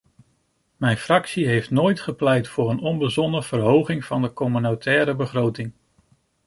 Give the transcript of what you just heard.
Mijn fractie heeft nooit gepleit voor een onbezonnen verhoging van de communautaire begroting.